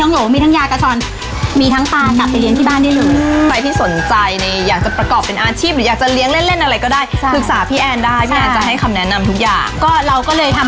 งั้นรีบเลยรีบพนมมือค่ะ